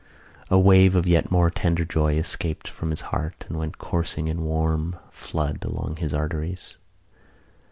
A wave of yet more tender joy escaped from his heart and went coursing in warm flood along his arteries.